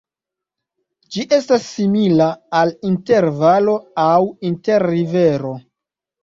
Ĝi estas simila al inter-valo aŭ inter-rivero.